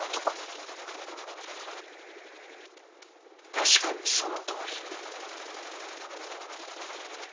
確かにそのとおり。